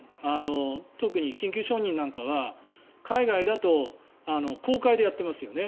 特に緊急承認なんかは海外だと公開でやってますよね。